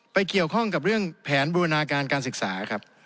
เกี่ยวข้องกับเรื่องแผนบูรณาการการศึกษาครับ